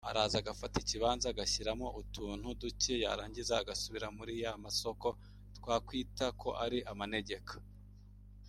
Araza agafata ikibanza agashyiramo utuntu ducye yarangiza agasubira muri ya masoko twakwita ko ari amanegeka